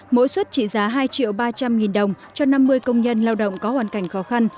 mỗi suất trị giá hai triệu ba trăm linh nghìn đồng cho năm mươi công nhân lao động có hoàn cảnh khó khăn